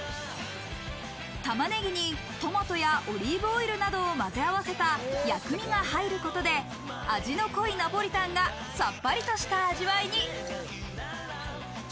玉ねぎにトマトやオリーブオイルなどをまぜ合わせた薬味が入ることで、味の濃いナポリタンがさっぱりとした味わいに。